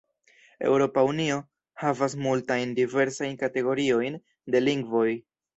Eŭropa Unio havas multajn diversajn kategoriojn de lingvoj.